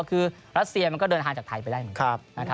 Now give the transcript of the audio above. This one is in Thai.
คือรัสเซียมันก็เดินทางจากไทยไปได้